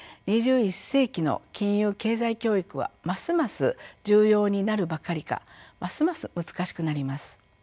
２１世紀の金融・経済教育はますます重要になるばかりかますます難しくなります。